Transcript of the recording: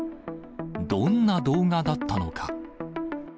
どんな動画だったのか。